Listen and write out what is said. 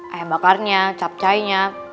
ayam bakarnya capcainya